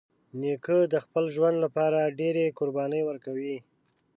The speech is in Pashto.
نیکه د خپل ژوند له پاره ډېری قربانۍ ورکوي.